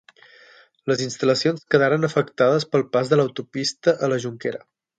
Les instal·lacions quedaren afectades pel pas de l'autopista a La Jonquera.